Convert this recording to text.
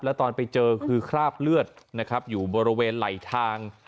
แล้วตอนไปเจอคือคราบเลือดนะครับอยู่บริเวณไหลทาง